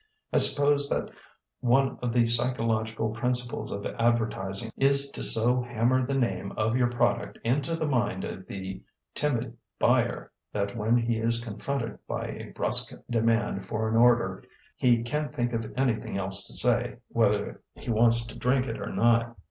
I suppose that one of the psychological principles of advertising is to so hammer the name of your product into the mind of the timid buyer that when he is confronted by a brusk demand for an order be can't think of anything else to say, whether he wants it or not.